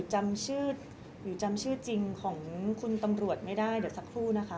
จำชื่อหรือจำชื่อจริงของคุณตำรวจไม่ได้เดี๋ยวสักครู่นะคะ